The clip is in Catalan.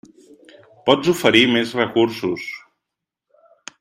Pots oferir més recursos.